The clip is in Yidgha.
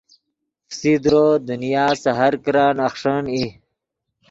فسیدرو دنیا سے ہر کرن اخݰین ای